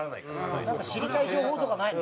なんか知りたい情報とかないの？